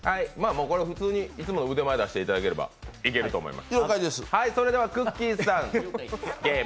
普通にいつもの腕前出していただければいけると思います。